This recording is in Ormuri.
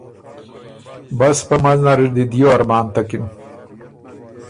بس پۀ منځ نر اِر دی دیو ارمان تکِن۔